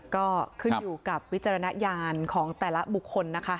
ก็ขึ้นอยู่กับวิจารณญาณของแต่ละบุคคลนะคะ